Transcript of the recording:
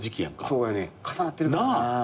そうやねん重なってるからな。